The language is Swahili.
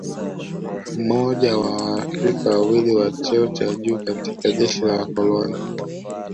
Mmoja wa Waafrika wawili wa cheo cha juu katika jeshi la wakoloni